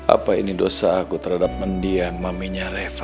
apa ini dosa aku terhadap mendiam maminya reva